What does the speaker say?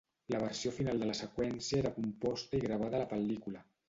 La versió final de la seqüència era composta i gravada a la pel·lícula.